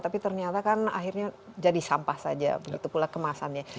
tapi ternyata kan akhirnya jadi sampah saja begitu pula kemasannya